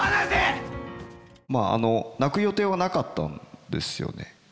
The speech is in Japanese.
まああの泣く予定はなかったんですよね。